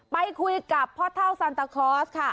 ไปคุยกับพ่อเท่าซันตาคอร์สค่ะ